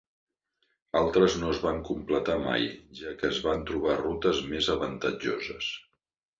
Altres no es van completar mai, ja que es van trobar rutes més avantatjoses.